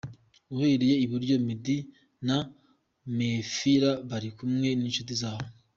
Uhereye i buryo Meddy na Mehfira bari kumwe n’inshuti zabo .